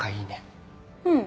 うん。